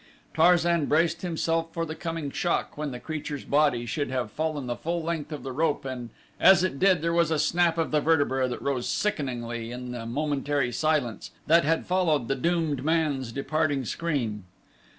Tarzan braced himself for the coming shock when the creature's body should have fallen the full length of the rope and as it did there was a snap of the vertebrae that rose sickeningly in the momentary silence that had followed the doomed man's departing scream.